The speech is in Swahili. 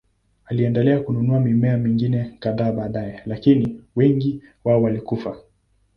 Aliendelea kununua mimea mingine kadhaa baadaye, lakini wengi wao walikufa.